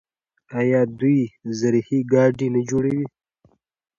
آیا دوی زرهي ګاډي نه جوړوي؟